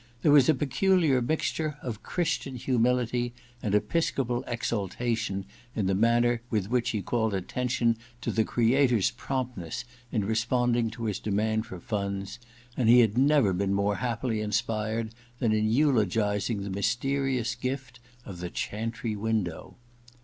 V EXPIATION 113 There was a peculiar mixture of Christian humility and episcopal exultation in the manner with which he called attention to the Creator*s promptness in responding to his demand for funds, and he had never been more happily inspired than in eulogizing the mysterious gift of the chantry window.